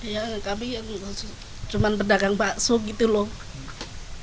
ya kami yang cuma pedagang bakso gitu loh